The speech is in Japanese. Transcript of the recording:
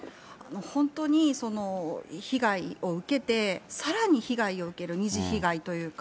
本当に被害を受けて、さらに被害を受ける、二次被害というか、